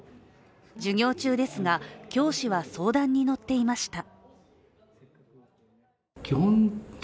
授業中ですが、教師は相談に乗っていました。